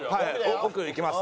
奥いきます。